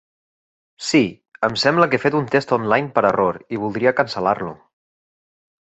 Sí, em sembla que he fet un test online per error i voldria cancel·lar-lo.